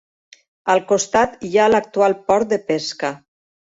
Al costat hi ha l'actual port de pesca.